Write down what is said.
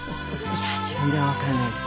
いや自分ではわからないです。